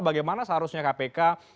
bagaimana seharusnya kpk